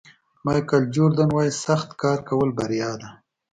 مایکل جوردن وایي سخت کار کول بریا ده.